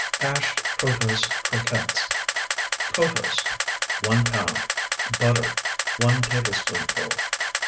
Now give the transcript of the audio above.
HASHED PROTOSE CROQUETTES Protose, 1 pound. Butter, 1 tablespoonful.